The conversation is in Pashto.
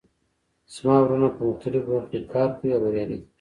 زما وروڼه په مختلفو برخو کې کار کوي او بریالي دي